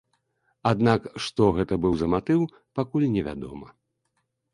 Аднак што гэта быў за матыў, пакуль не вядома.